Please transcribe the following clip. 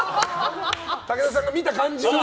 武田さんが見た感じ。